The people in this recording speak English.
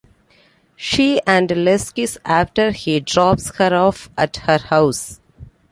She and Les kiss after he drops her off at her house.